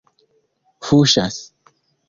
fuŝas